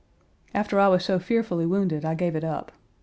After I was so fearfully wounded I gave it up.